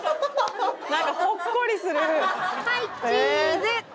はいチーズ！